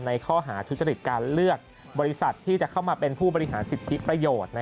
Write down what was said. ในข้อหาทุจริตการเลือกบริษัทที่จะเข้ามาเป็นผู้บริหารสิทธิประโยชน์